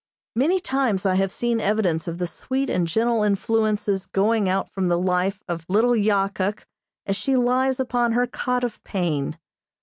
Many times I have seen evidence of the sweet and gentle influences going out from the life of little Yahkuk as she lies upon her cot of pain.